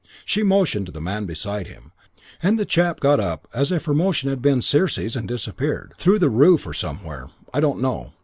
"She motioned to the man beside him, and the chap got up as if her motion had been Circe's and disappeared. Through the roof or somewhere. I don't know.